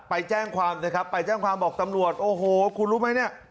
ไปแจ้งความเลยครับไปแจ้งความบอกตำรวจโอ้โหคุณรู้ไหมเนี่ย